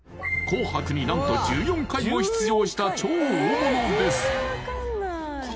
紅白に何と１４回も出場した超大物です